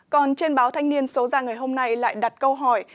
còn trên báo thanh niên số ra ngày hôm nay lại đặt câu hỏi